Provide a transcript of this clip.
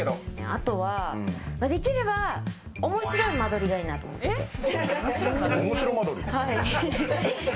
あとはできれば面白い間取りがいいなと思っていて。